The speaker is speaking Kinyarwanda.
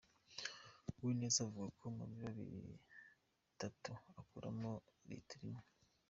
Uwineza avuga ko mu biro bitatu akuramo litiro imwe.